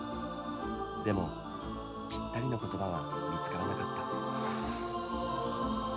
でもぴったりの言葉は見つからなかった。